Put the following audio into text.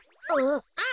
あっ。